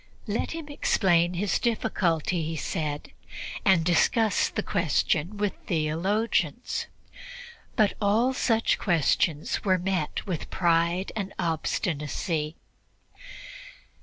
"Let him explain his difficulty," he said, "and discuss the question with theologians"; but all such suggestions were met with pride and obstinacy.